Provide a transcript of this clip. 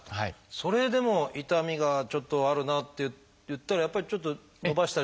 それでも痛みがちょっとあるなといったらやっぱりちょっと伸ばしたり。